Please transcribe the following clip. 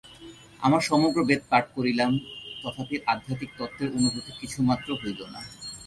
আমরা সমগ্র বেদ পাঠ করিলাম, তথাপি আধ্যাত্মিক তত্ত্বের অনুভূতি কিছুমাত্র হইল না।